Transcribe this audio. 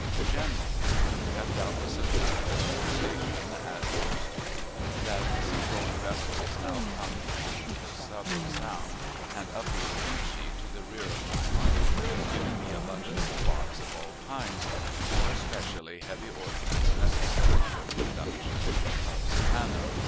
GENERAL: You have doubtless observed, from your station at Rosedew that sea going vessels now come through Ossabaw Sound and up the Ogeechee to the rear of my army, giving me abundant supplies of all kinds, and more especially heavy ordnance necessary for the reduction of Savannah.